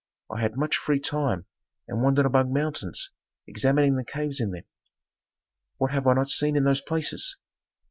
I had much free time and wandered among mountains, examining the caves in them. "What have I not seen in those places!